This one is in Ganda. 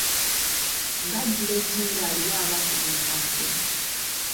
Ng'addira eggi ng'aliwa abakuba empafu.